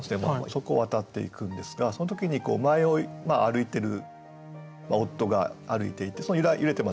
そこを渡っていくんですがその時に前を歩いている夫が歩いていて揺れてますよね。